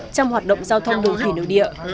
trong hoạt động giao thông đường thủy nơi địa